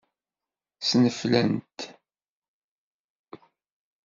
Ssneflent.